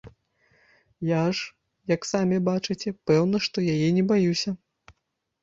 Я ж, як самі бачыце, пэўна што яе не баюся.